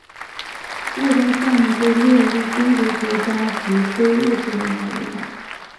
若干项目被列入中国国家级非物质文化遗产。